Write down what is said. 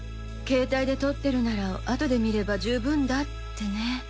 携帯で撮ってるなら後で見れば十分だってね。